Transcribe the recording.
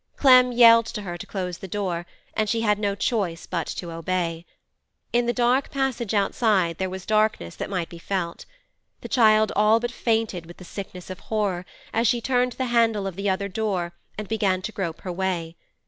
Clem yelled to her to close the door, and she had no choice but to obey. In the dark passage outside there was darkness that might be felt. The child all but fainted with the sickness of horror as she turned the handle of the other door and began to grope her way.